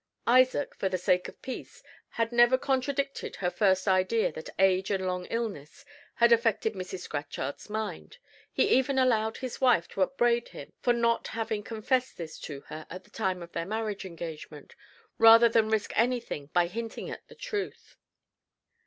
Isaac, for the sake of peace, had never contradicted her first idea that age and long illness had affected Mrs. Scatchard's mind. He even allowed his wife to upbraid him for not having confessed this to her at the time of their marriage engagement, rather than risk anything by hinting at the truth.